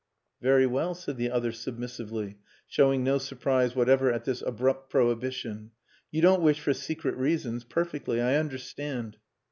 "Very well," said the other submissively, showing no surprise whatever at this abrupt prohibition. "You don't wish for secret reasons... perfectly... I understand."